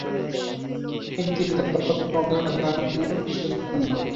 কিন্তু তিনি তার দক্ষতা ও প্রজ্ঞা কাজে লাগানোর সুযোগ পান না।